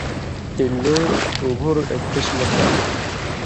تِلیۡ لُوں اُگُھروۡ اېک قِسمہ کاں